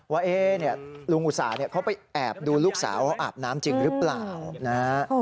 ว่าลุงอุตส่าห์เขาไปแอบดูลูกสาวเขาอาบน้ำจริงหรือเปล่านะฮะ